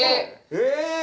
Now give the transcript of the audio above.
・え！